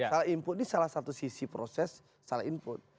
kalau input ini salah satu sisi proses salah input